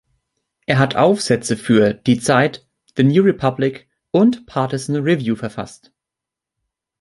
Er hat Aufsätze für "Die Zeit", "The New Republic" und "Partisan Review" verfasst.